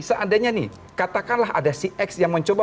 seandainya nih katakanlah ada c x yang mencoba